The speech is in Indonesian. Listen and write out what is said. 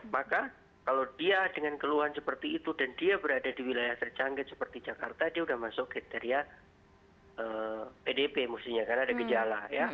maka kalau dia dengan keluhan seperti itu dan dia berada di wilayah terjangkit seperti jakarta dia sudah masuk kriteria pdp mestinya karena ada gejala ya